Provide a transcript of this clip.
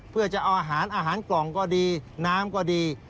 เพื่อจะเอาอาหารอาหารกล่องก็ดีน้ำก็ดี